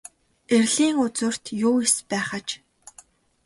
Эрлийн үзүүрт юу эс байх аж.